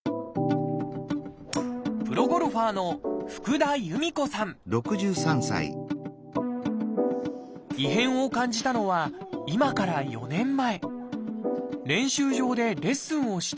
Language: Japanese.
プロゴルファーの異変を感じたのは今から４年前。